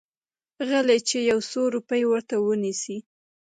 غله چې يو څو روپۍ ورته ونيسي.